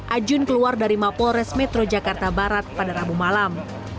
ajun keluar dari mapol res metro jakarta barat pada ramu malam